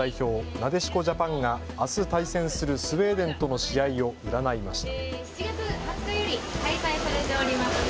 なでしこジャパンがあす対戦するスウェーデンとの試合を占いました。